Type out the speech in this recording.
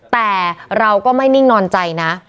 แต่เราก็ไม่นิ่งนอนใจนะ